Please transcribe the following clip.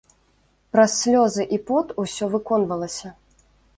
Праз слёзы і пот усё выконвалася.